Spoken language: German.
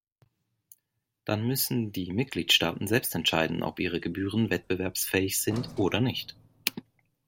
Dann müssen die Mitgliedstaaten selbst entscheiden, ob ihre Gebühren wettbewerbsfähig sind oder nicht.